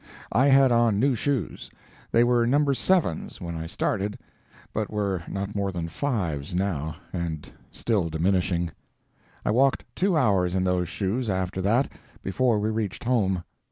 I had on new shoes. They were No. 7's when I started, but were not more than 5's now, and still diminishing. I walked two hours in those shoes after that, before we reached home.